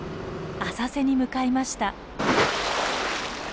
浅瀬に向かいました。